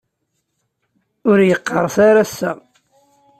Ur yeqqerṣ ara ass-a.